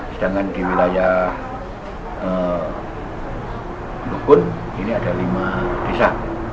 sedangkan di wilayah luhukun ini ada lima desa